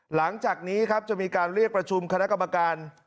หลังจากนี้ครับจะมีการเรียกประชุมคณะกรรมการ